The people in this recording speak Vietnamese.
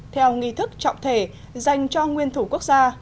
theo nghi thức trọng thể dành cho nguyên thủ quốc gia